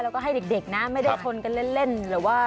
แล้วก็ให้เด็กนะไม่ได้ชนกันเล่นหรือว่า